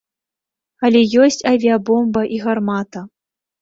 Але ёсць авіябомба і гармата.